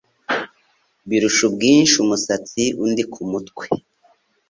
birusha ubwinshi umusatsi undi ku mutwe